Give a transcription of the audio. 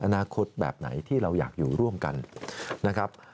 อนาคตแบบไหนที่เราอยากอยู่ร่วมกันนะครับ